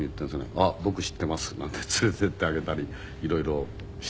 「あっ僕知ってます」なんて連れていってあげたり色々してました。